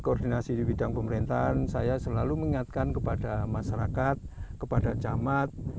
koordinasi di bidang pemerintahan saya selalu mengingatkan kepada masyarakat kepada camat